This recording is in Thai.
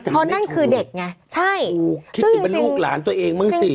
เพราะนั่นคือเด็กไงใช่คิดถึงเป็นลูกหลานตัวเองบ้างสิ